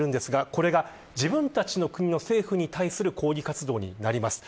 これが自分たちの国の政府に対する抗議活動になります。